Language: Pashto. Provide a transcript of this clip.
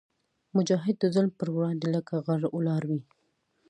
مجاهد د ظلم پر وړاندې لکه غر ولاړ وي.